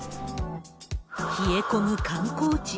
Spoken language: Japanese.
冷え込む観光地。